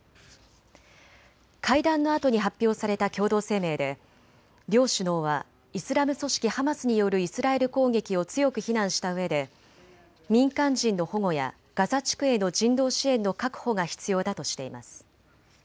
会談のあとに発表された共同声明で両首脳はイスラム組織ハマスによるイスラエル攻撃を強く非難したうえで民間人の保護やガザ地区への人道支援の確保が必要だとしています。